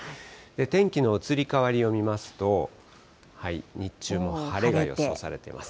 天気の移り変わりを見ますと、日中も晴れが予想されています。